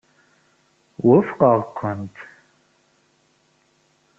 Wufqeɣ-kent.